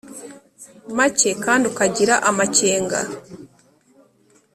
Make kandi ukagira amakenga